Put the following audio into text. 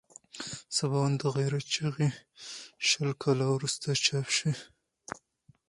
سباوون د غیرت چغې شل کاله وروسته چاپ شوه.